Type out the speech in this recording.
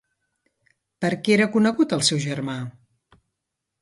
Per què era conegut el seu germà?